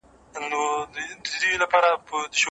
مشران به له پخوا څخه د سولي لپاره منځګړيتوب کوي.